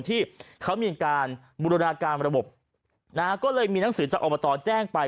ที่เขามีการบูรณาการระบบนะฮะก็เลยมีหนังสือจากอบตแจ้งไป